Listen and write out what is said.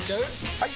・はい！